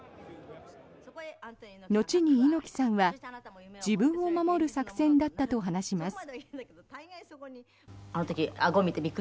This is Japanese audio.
後に猪木さんは自分を守る作戦だったと話します。